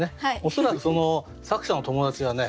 恐らく作者の友達がね